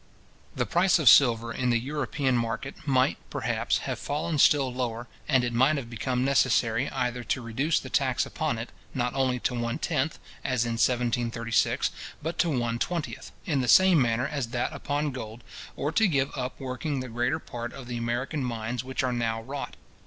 The price of silver in the European market might, perhaps, have fallen still lower, and it might have become necessary either to reduce the tax upon it, not only to one tenth, as in 1736, but to one twentieth, in the same manner as that upon gold, or to give up working the greater part of the American mines which are now wrought.